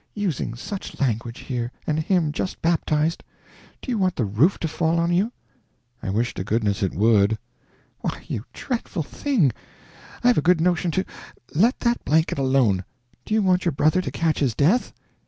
Using such language here, and him just baptized! Do you want the roof to fall on you?" "I wish to goodness it would!" "Why, you dreadful thing! I've a good notion to let that blanket alone; do you want your brother to catch his death?"